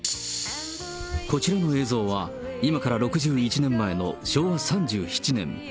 こちらの映像は今から６１年前の昭和３７年。